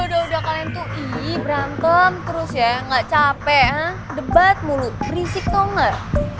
udah udah kalian tui berantem terus ya gak capek debat mulut berisik tonger